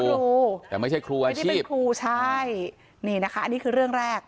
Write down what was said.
เขาก็เรียกว่าครูแต่ไม่ใช่ครูอาชีพเป็นครูใช่นี่นะคะอันนี้คือเรื่องแรก